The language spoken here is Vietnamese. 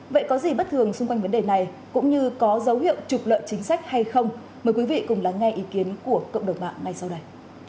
vậy có gì bất thường xung quanh vấn đề này cũng như có dấu hiệu trục lợi chính sách hay không mời quý vị cùng lắng nghe ý kiến của cộng đồng mạng ngay sau đây